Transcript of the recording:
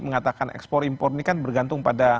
mengatakan ekspor impor ini kan bergantung pada